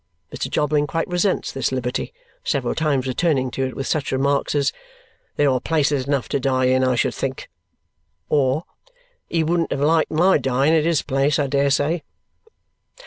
Mr. Jobling quite resents this liberty, several times returning to it with such remarks as, "There are places enough to die in, I should think!" or, "He wouldn't have liked my dying at HIS place, I dare say!"